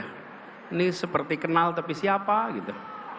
ini seperti kenal tapi siapa gitu